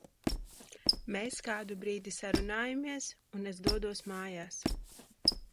Mēs kādu brīdi sarunājamies, un es dodos mājās.